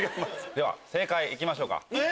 では正解いきましょうか。